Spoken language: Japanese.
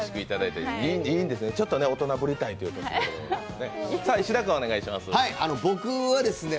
ちょっと大人ぶりたいというところですね。